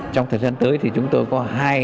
trong thời gian tới thì chúng tôi có hai